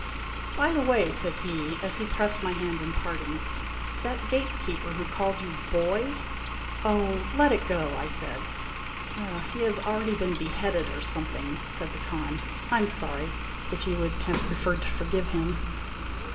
By the way," said he, as he pressed my hand in parting, " that gatekeeper who called you ' boy '"" Oh, let it go," I said. " He has already been beheaded, or something," said the Khan. " I 'm sorry, if you would have preferred to forgive him."